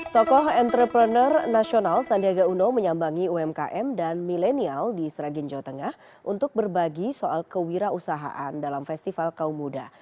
tokoh entrepreneur nasional sandiaga uno menyambangi umkm dan milenial di sragen jawa tengah untuk berbagi soal kewirausahaan dalam festival kaum muda